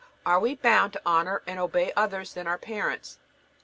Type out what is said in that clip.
Are we bound to honor and obey others than our parents?